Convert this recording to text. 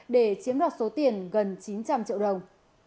để chiếm đoạt số tiền gần chín trăm linh triệu đồng